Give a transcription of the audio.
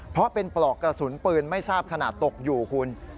เพราะเป็นปลอกกระสุนปืนไม่ทราบขนาดตกอยู่คุณ